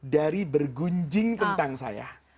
dari bergunjing tentang saya